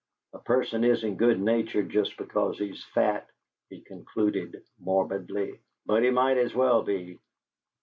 A person isn't good natured just because he's fat," he concluded, morbidly, "but he might as well be!"